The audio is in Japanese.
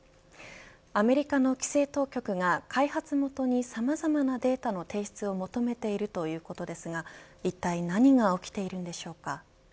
アメリカの規制当局が開発元にさまざまなデータの提出を求めているということですがいったい何が起きているんでしょうか。